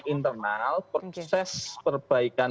internal proses perbaikan